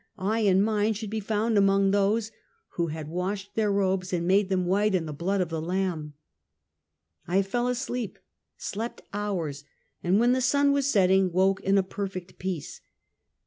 37 I and mine should be found among those " who had washed their robes, and made them white in the blood of the Lamb," I fell asleep — slept honrs— and when the sun was setting, woke in perfect peace.